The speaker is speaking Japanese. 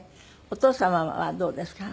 お父様はどうですか？